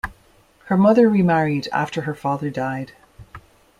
Her mother remarried after her father died.